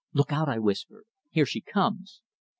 "Look out!" I whispered. "Here she comes!"